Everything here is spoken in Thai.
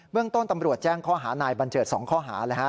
เรื่องต้นตำรวจแจ้งข้อหานายบัญเจิด๒ข้อหาเลยฮะ